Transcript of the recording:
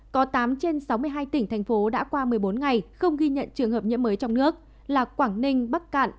có tám trên sáu mươi hai tỉnh thành phố đã qua một mươi bốn ngày không ghi nhận trường hợp nhiễm mới trong nước là quảng ninh bắc cạn